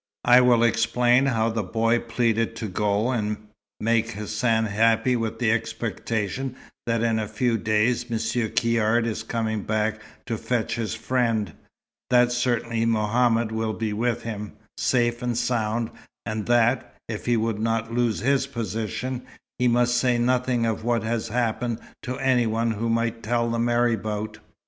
I will explain how the boy pleaded to go, and make Hassan happy with the expectation that in a few days Monsieur Caird is coming back to fetch his friend; that certainly Mohammed will be with him, safe and sound; and that, if he would not lose his position, he must say nothing of what has happened to any one who might tell the marabout."